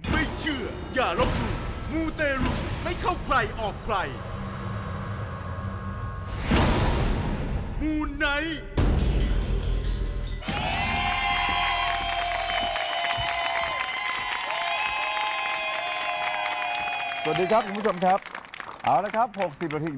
มูนไนท์